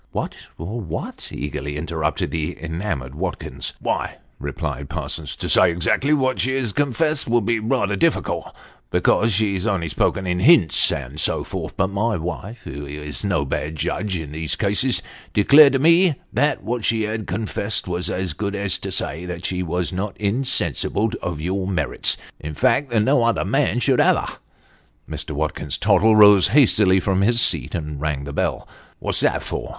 " What what ?" eagerly interrupted the enamoured Watkins. " Why," replied Parsons, " to say exactly what she has confessed, would be rather difficult, because they only spoke in hints, and so forth ; but my wife, who is no bad judge in these cases, declared to me that what she had confessed was as good as to say that she was not insensible of your merits in fact, that no other man should have her." Mr. Watkins Tottle rose hastily from his seat, and rang the bell. " What's that for